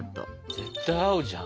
絶対合うじゃん。